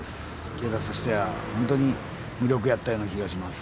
警察としてはホントに無力やったような気がします。